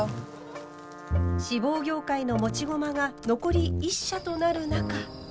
志望業界の持ち駒が残り１社となる中。